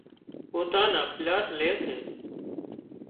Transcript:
پوتان نا پلاٽ لي سي